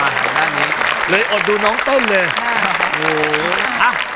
ได้เลยอดดูน้องต้นเลยเข้ามาได้เลย